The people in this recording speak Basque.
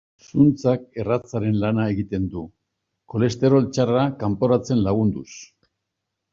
Zuntzak erratzaren lana egiten du, kolesterol txarra kanporatzen lagunduz.